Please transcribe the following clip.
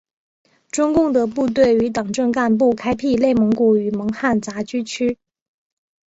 中共的部队与党政干部开辟内蒙古与蒙汉杂居区。